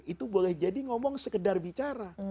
itu boleh jadi ngomong sekedar bicara